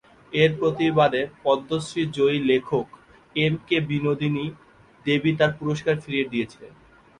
এর প্রতিবাদে পদ্মশ্রী জয়ী লেখক এম কে বিনোদিনী দেবী তাঁর পুরস্কার ফিরিয়ে দিয়েছিলেন।